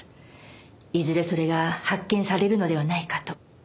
いずれそれが発見されるのではないかと。